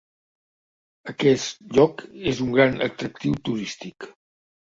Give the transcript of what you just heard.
Aquest lloc és un gran atractiu turístic.